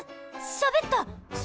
しゃべった！